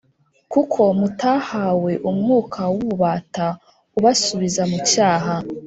Kuko mutahawe umwuka w’ ububata ubasubiza mucyaha